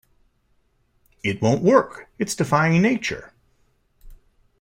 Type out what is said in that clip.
It won't work, it's defying nature!